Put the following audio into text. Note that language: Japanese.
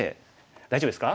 大丈夫ですか？